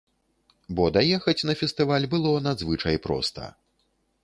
Бо даехаць на фестываль было надзвычай проста.